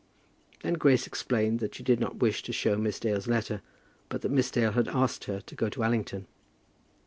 Then Grace explained that she did not wish to show Miss Dale's letter, but that Miss Dale had asked her to go to Allington.